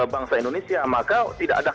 bangsa indonesia maka tidak ada